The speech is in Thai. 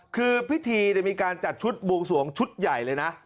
คือพิธีมีการจัดชุดบวงสวงชุดใหญ่เลยนะ